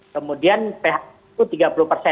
kemudian phk itu tiga puluh persen